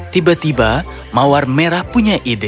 tiba tiba mawar merah punya ide